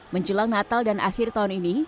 menjelang natal dan akhir tahun ini